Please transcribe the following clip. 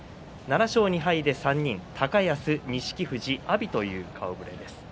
７勝２敗で３人高安、錦富士、阿炎という顔ぶれです。